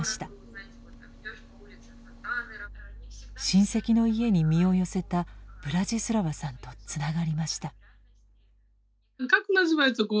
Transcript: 親戚の家に身を寄せたブラジスラワさんとつながりました。